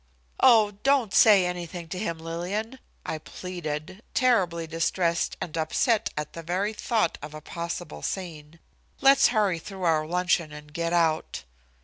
"Oh, don't say anything to him, Lillian," I pleaded, terribly distressed and upset at the very thought of a possible scene. "Let's hurry through our luncheon and get out."